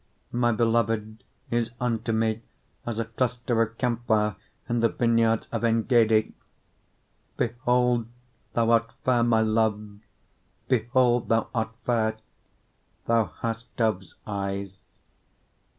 1:14 My beloved is unto me as a cluster of camphire in the vineyards of Engedi. 1:15 Behold, thou art fair, my love; behold, thou art fair; thou hast doves' eyes.